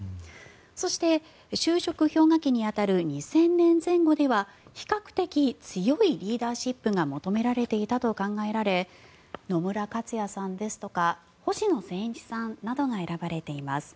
そして就職氷河期に当たる２０００年前後では比較的強いリーダーシップが求められていたと考えられ野村克也さんですとか星野仙一さんなどが選ばれています。